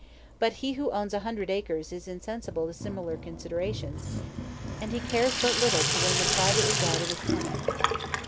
But he who owns a hundred acres is insensible to similar considerations, and he cares but little to win the private regard of his tenant.